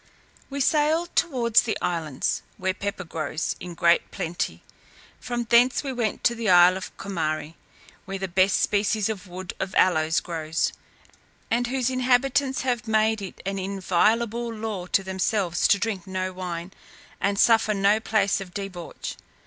We sailed towards the islands, where pepper grows in great plenty. From thence we went to the isle of Comari, where the best species of wood of aloes grows, and whose inhabitants have made it an inviolable law to themselves to drink no wine, and suffer no place of debauch.